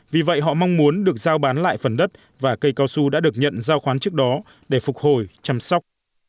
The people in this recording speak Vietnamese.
vì vậy họ mong muốn được giao bán lại phần đất và cây cao su đã được nhận giao khoán trước đó để phục hồi chăm sóc